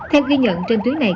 theo ghi nhận trên tuyến này